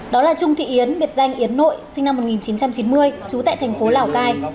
đó là trung thị yến biệt danh yến nội sinh năm một nghìn chín trăm chín mươi trú tại thành phố lào cai